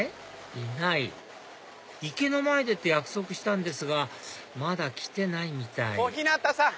いない池の前でって約束したんですがまだ来てないみたい小日向さん！